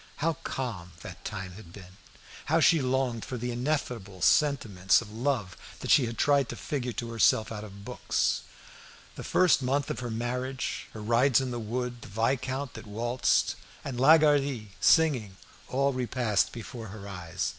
How calm that time had been! How she longed for the ineffable sentiments of love that she had tried to figure to herself out of books! The first month of her marriage, her rides in the wood, the viscount that waltzed, and Lagardy singing, all repassed before her eyes.